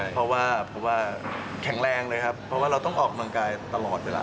เพราะว่าเพราะว่าแข็งแรงเลยครับเพราะว่าเราต้องออกกำลังกายตลอดเวลา